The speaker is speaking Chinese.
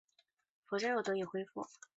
佛教又得以恢复。